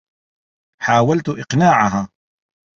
حاولت إقناعها.